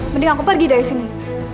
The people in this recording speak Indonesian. mending aku pergi dari sini